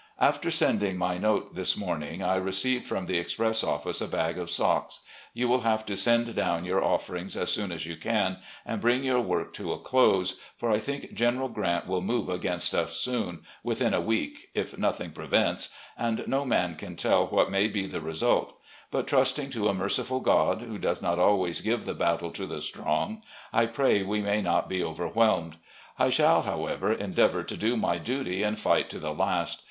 . After sending my note this morning, I re. ceived from the express office a bag of socks. You will have to send down your offerings as soon as you can, and bring your work to a close, for I think General Grant will move against us soon — ^within a week, if nothing prevents — ^and no man can tell what may be the result ; but trust ing to a merciful God, who does not always give the battle to the strong, I pray we may not be overwhelmed, I shall, however, endeavour to do my duty and fight to the last.